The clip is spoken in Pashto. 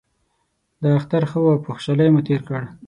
دا اختر ښه و او په خوشحالۍ مو تیر کړ